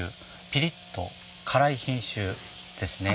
ピリッと辛い品種ですね。